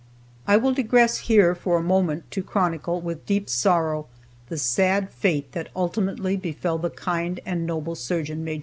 I will digress here for a moment to chronicle, with deep sorrow, the sad fate that ultimately befell the kind and noble surgeon, Maj.